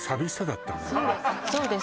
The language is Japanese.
そうです